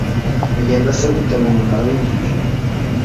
Bigenda se gute ngo umuntu ahinduke